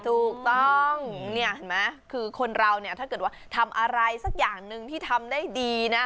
ถูกต้องเนี่ยเห็นไหมคือคนเราเนี่ยถ้าเกิดว่าทำอะไรสักอย่างหนึ่งที่ทำได้ดีนะ